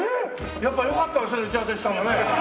やっぱよかったですね打ち合わせしたのね。